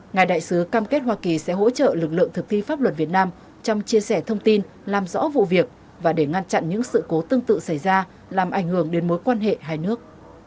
ngài đại sứ cam kết hoa kỳ sẽ hỗ trợ lực lượng thực thi pháp luật việt nam trong chia sẻ thông tin làm rõ vụ việc và để ngăn chặn những sự cố tương tự xảy ra làm ảnh hưởng đến mối quan hệ hai nước